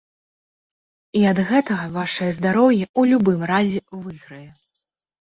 І ад гэтага вашае здароўе ў любым разе выйграе.